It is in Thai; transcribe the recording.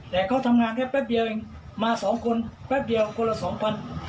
แต่เขาทำงานได้แป๊บเดียวเองมาสองคนแป๊บเดียวคนละสองพัน